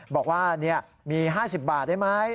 บอกว่ามี๕๐บาทได้ไหม